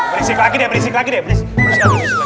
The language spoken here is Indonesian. berisik lagi deh berisik lagi deh berisik